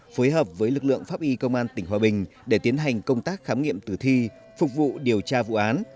phối hợp với lực lượng pháp y công an tỉnh hòa bình để tiến hành công tác khám nghiệm tử thi phục vụ điều tra vụ án